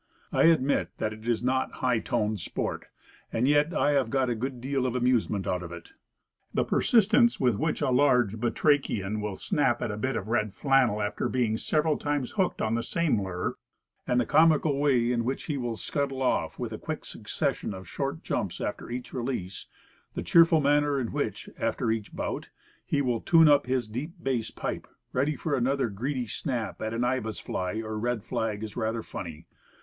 I admit that it is not high toned sport; and yet I have got a good deal of amusement out of it. The persistence with which a large batrachian will snap at a bit of red flannel after being several times hooked on the same lure, and the comical way in which he will scuttle off with a quick succession of short jumps after each release; the cheerful manner in which, after each bout, he will tune up his deep, bass pipe ready for another greedy snap at an ibis fly or red rag is rather funny.